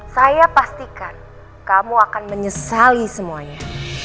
saya pastikan kamu akan menyesali semuanya